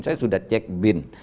saya sudah cek bin